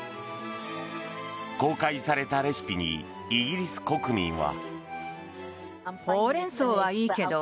公開されたレシピにイギリス国民は。